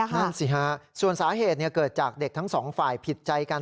นั่นสิฮะส่วนสาเหตุเกิดจากเด็กทั้งสองฝ่ายผิดใจกัน